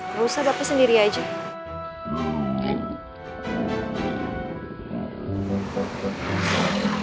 gak usah dapat sendiri aja